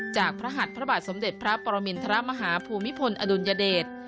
พระหัดพระบาทสมเด็จพระปรมินทรมาฮาภูมิพลอดุลยเดช